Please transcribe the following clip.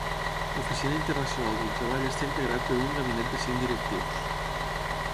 L'Oficina Internacional del Treball està integrat per un gabinet de cinc directius.